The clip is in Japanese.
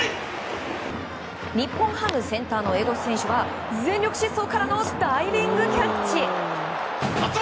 日本ハム、センターの江越選手は全力疾走からのダイビングキャッチ！